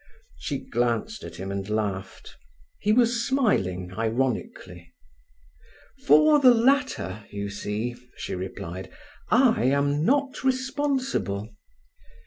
She glanced at him and laughed. He was smiling ironically. "For the latter, you see," she replied, "I am not responsible."